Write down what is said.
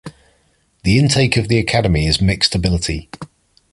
The intake of the Academy is mixed ability.